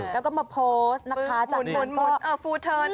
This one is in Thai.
แล้วก็มาโพสต์นะคะจากนั้นก็หมุนอ่ะฟูเทิร์ต